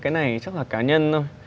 cái này chắc là cá nhân thôi